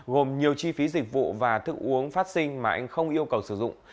gồm nhiều chi phí dịch vụ và thức uống phát sinh mà anh không yêu cầu sử dụng